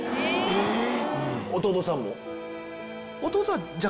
えっ⁉